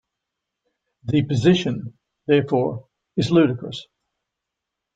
The position, therefore, is ludicrous.